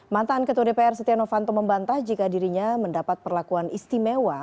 mantan ketua dpr setia novanto membantah jika dirinya mendapat perlakuan istimewa